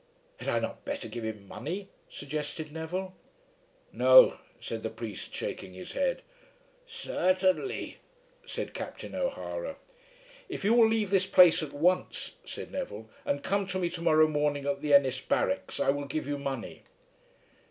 "Had I not better give him money?" suggested Neville. "No," said the priest shaking his head. "Certainly," said Captain O'Hara. "If you will leave this place at once," said Neville, "and come to me to morrow morning at the Ennis barracks, I will give you money."